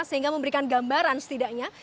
sehingga memberikan gambaran setidaknya